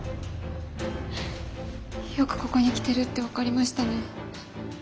よくここに来てるって分かりましたね。